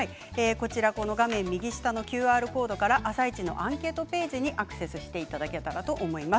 この画面右下のＱＲコードから「あさイチ」のアンケートページにアクセスしていただけたらと思います。